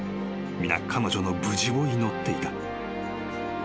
［皆彼女の無事を祈っていた］